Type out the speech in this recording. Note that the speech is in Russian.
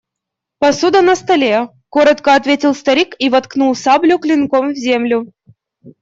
Посуда на столе, – коротко ответил старик и воткнул саблю клинком в землю.